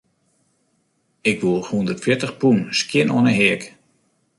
Ik woech hûndertfjirtich pûn skjin oan 'e heak.